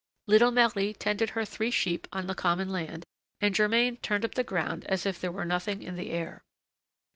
Little Marie tended her three sheep on the common land, and Germain turned up the ground as if there were nothing in the air.